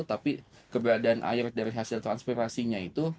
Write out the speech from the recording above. tapi keberadaan air dari hasil transpirasinya itu